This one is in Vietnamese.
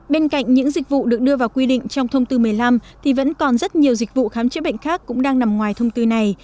bên cạnh những dịch vụ được đưa vào quy định trong thông tư một mươi năm thì vẫn còn rất nhiều dịch vụ khám chữa bệnh khác cũng đang nằm ngoài thông tư này